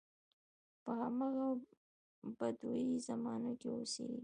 په همغه بدوي زمانو کې اوسېږي.